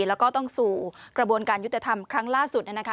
แล้วก็ต้องสู่กระบวนการยุติธรรมครั้งล่าสุด